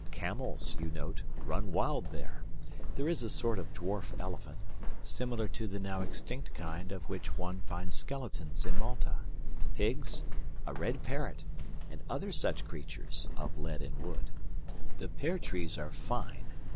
Camels, you note, run wild there; there is a sort of dwarf elephant, similar to the now extinct kind of which one finds skeletons in Malta, pigs, a red parrot, and other such creatures, of lead and wood. The pear trees are fine.